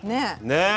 ねえ。